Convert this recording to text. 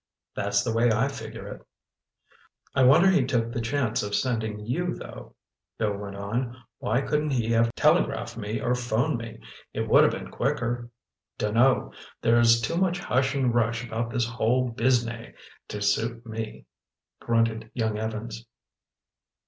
"That's the way I figure it." "I wonder he took the chance of sending you, though," Bill went on. "Why couldn't he have telegraphed me or phoned me? It would have been quicker." "Dunno. There's too much hush and rush about this whole biznai to suit me," grunted young Evans.